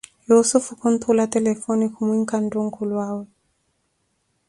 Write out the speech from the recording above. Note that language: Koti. Yussufu kuntula telefone khumwinka ntuunkulwaawe.